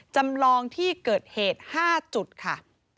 จำลองที่เกิดเหตุ๕จุดค่ะ